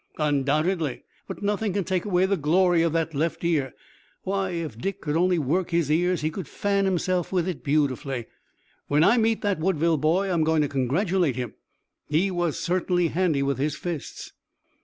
"Undoubtedly, but nothing can take away the glory of that left ear. Why, if Dick could only work his ears he could fan himself with it beautifully. When I meet that Woodville boy I'm going to congratulate him. He was certainly handy with his fists."